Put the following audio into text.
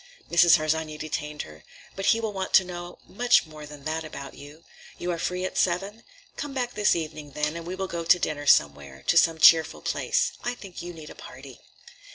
Mrs. Harsanyi detained her. "But he will want to know much more than that about you. You are free at seven? Come back this evening, then, and we will go to dinner somewhere, to some cheerful place. I think you need a party."